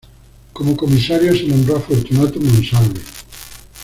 Como comisario se nombró a Fortunato Monsalve.